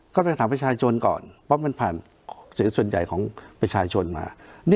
ก็ไปถามประชาชนก่อนเพราะมันผ่านเสียงส่วนใหญ่ของประชาชนมา